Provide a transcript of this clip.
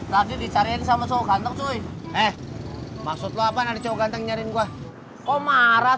tadi dicariin sama cowok ganteng cuy eh maksud lo apaan ada cowok ganteng nyariin gua kok marah